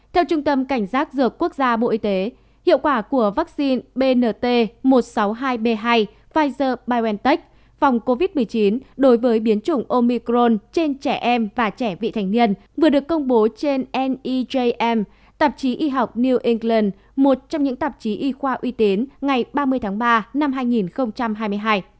theo trung tâm cảnh giác dược quốc gia bộ y tế hiệu quả của vaccine bnt một trăm sáu mươi hai b hai pfizer biontech phòng covid một mươi chín đối với biến chủng omicron trên trẻ em và trẻ vị thành niên vừa được công bố trên nejm tạp chí y học new england một trong những tạp chí y khoa uy tín ngày ba mươi tháng ba năm hai nghìn hai mươi hai